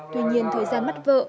tuy nhiên thời gian bắt vợ